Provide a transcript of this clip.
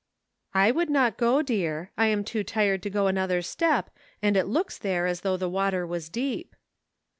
" I would not go, dear ; I am too tired to go another step, and it looks there as though the water was deep."